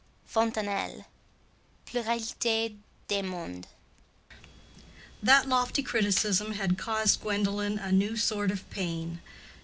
—FONTENELLE: Pluralité des Mondes. That lofty criticism had caused Gwendolen a new sort of pain.